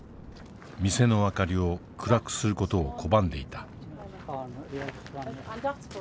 店の明かりを暗くする事を拒んでいた。